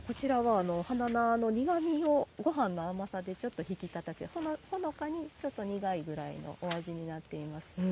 花菜の苦みをごはんの甘さで引き立たせほのかに、ちょっと苦いぐらいのお味になっています。